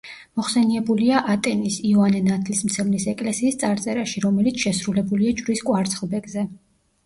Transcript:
მოხსენიებულია ატენის იოანე ნათლისმცემლის ეკლესიის წარწერაში, რომელიც შესრულებულია ჯვრის კვარცხლბეკზე.